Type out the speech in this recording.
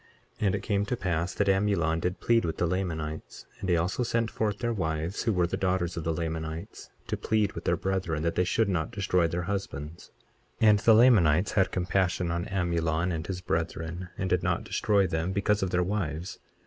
23:33 And it came to pass that Amulon did plead with the Lamanites; and he also sent forth their wives, who were the daughters of the Lamanites, to plead with their brethren, that they should not destroy their husbands. 23:34 And the Lamanites had compassion on Amulon and his brethren, and did not destroy them, because of their wives.